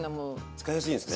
使いやすいんですね？